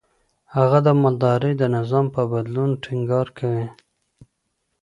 هغه د مالدارۍ د نظام په بدلون ټينګار کوي.